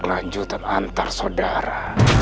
lanjutan antar sodara